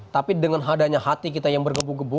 tapi dengan adanya hati kita yang bergebu gebu